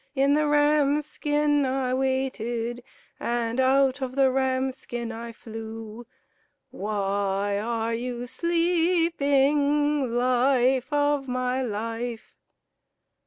In the ram's skin I waited, And out of the ram's skin I flew. Why are you sleeping, Life of my life?"